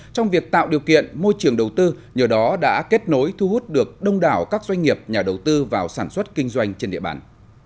trong việc tạo điều kiện môi trường đầu tư nhờ đó đã kết nối thu hút được đông đảo các doanh nghiệp nhà đầu tư vào sản xuất kinh doanh trên địa bàn